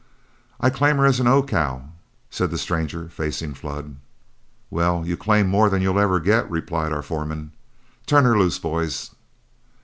"I claim her as an 'O' cow," said the stranger, facing Flood. "Well, you claim more than you'll ever get," replied our foreman. "Turn her loose, boys."